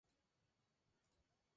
Jugó la final, donde terminó sexto.